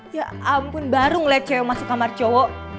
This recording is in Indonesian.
ya ampun baru ngeliat cowok masuk kamar cowok